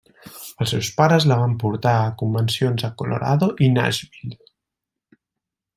Els seus pares la van portar a convencions a Colorado i Nashville.